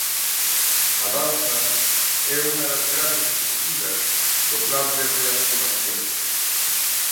A danza é unha das grandes esquecidas do Plan de reactivación.